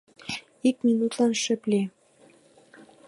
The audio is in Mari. Ик минутлан шып лий.